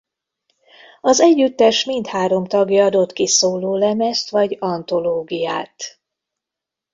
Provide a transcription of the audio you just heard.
Az együttes mindhárom tagja adott ki szólólemezt vagy antológiát.